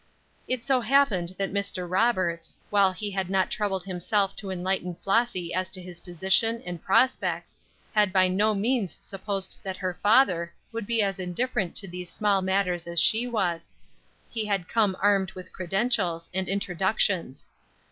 It so happened that Mr. Roberts, while he had not troubled himself to enlighten Flossy as to his position, and prospects, had by no means supposed that her father would be as indifferent to these small matters as she was; he had come armed with credentials, and introductions.